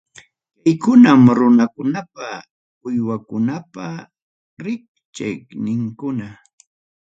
Kaykunam runakunapa, uywakunapa rikchayninkuna.